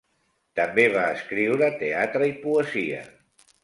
També va escriure teatre i poesia.